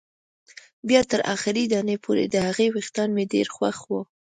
بیا تر اخري دانې پورې، د هغې وېښتان مې ډېر خوښ وو.